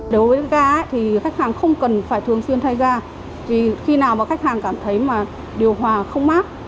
đối với ga thì khách hàng không cần phải thường xuyên thay ga vì khi nào mà khách hàng cảm thấy mà điều hòa không mát